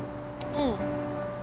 うん。